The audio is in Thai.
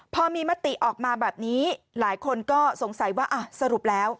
พอมีมติออกมาแบบนี้หลายคนก็สงสัยว่าสรุปแล้ว